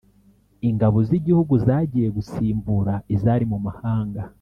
Ingabo z’igihugu zagiye gusimbura izari mu mahanga